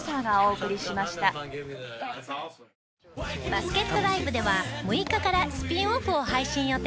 バスケットＬＩＶＥでは６日からスピンオフを配信予定。